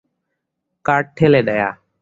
Cart ঠেলে নেয়া।